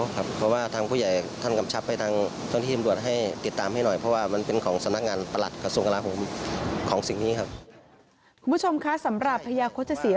คุณผู้ชมคะสำหรับพญาครกฎศรีราชเสนี